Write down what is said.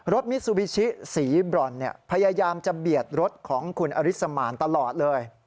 มิซูบิชิสีบรอนพยายามจะเบียดรถของคุณอริสมานตลอดเลย